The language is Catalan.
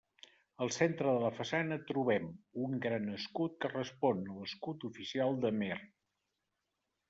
Al centre de la façana trobem un gran escut que respon a l'escut oficial d'Amer.